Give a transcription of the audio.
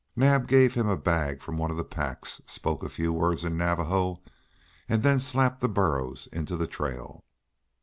Naab gave him a bag from one of the packs, spoke a few words in Navajo, and then slapped the burros into the trail.